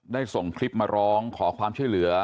ส่งคลิปมาร้องขอความช่วยเหลือ